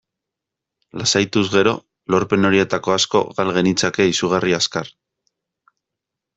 Lasaituz gero, lorpen horietako asko gal genitzake izugarri azkar.